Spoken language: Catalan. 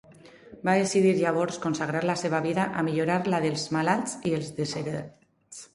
Va decidir llavors consagrar la seva vida a millorar la dels malalts i els desheretats.